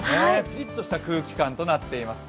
ピリッとした空気感となっています。